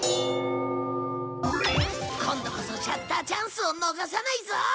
今度こそシャッターチャンスを逃さないぞ！